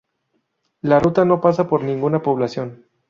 La ruta no pasa por ninguna población.